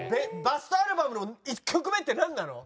バストアルバムの１曲目ってなんなの？